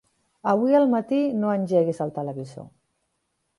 Avui al matí no engeguis el televisor.